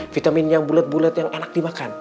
vitamin yang bulet bulet yang enak dimakan